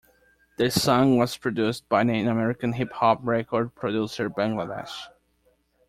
The song was produced by an American hip hop record producer Bangladesh.